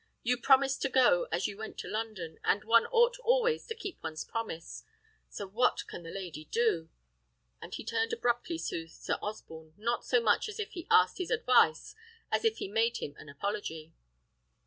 You promised to go as you went to London, and one ought always to keep one's promise. So what can the lady do?" And he turned abruptly to Sir Osborne, not so much as if he asked his advice as if he made him an apology.